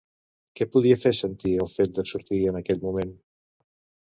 Què podia fer sentir el fet de sortir en aquell moment?